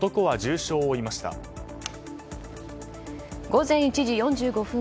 午前１時４５分。